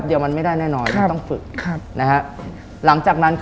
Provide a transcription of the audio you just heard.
ฉุยฉายนี่ต้องฝึกนะ